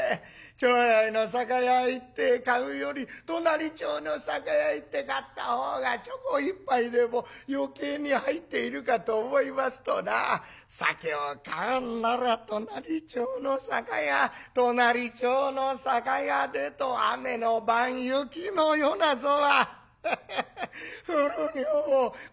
町内の酒屋へ行って買うより隣町の酒屋へ行って買ったほうがちょこ１杯でも余計に入っているかと思いますとな酒を買うんなら隣町の酒屋隣町の酒屋でと雨の晩雪の夜なぞは古女房を困らしたもんでございまして。